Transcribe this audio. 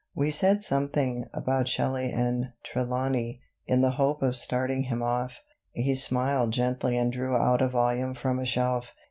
We said something about Shelley and Trelawny, in the hope of starting him off. He smiled gently and drew out a volume from a shelf.